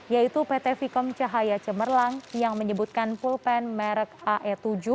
yaitu pt vikom cahaya cemerlang yang menyebutkan pulpen merek ae tujuh